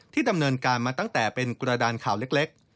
ดำเนินการมาตั้งแต่เป็นกระดานข่าวเล็ก